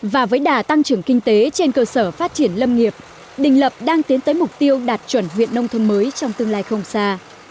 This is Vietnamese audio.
và với đà tăng trưởng kinh tế trên cơ sở phát triển lâm nghiệp đình lập đang tiến tới mục tiêu đạt chuẩn huyện nông thôn mới trong tương lai không xa